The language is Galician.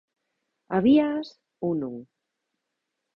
¿Habíaas ou non?